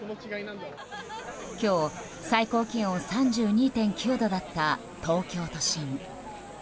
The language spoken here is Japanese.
今日、最高気温３２．９度だった東京都心。